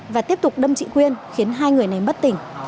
và tiếp tục đâm chị quyên khiến hai người này bất tỉnh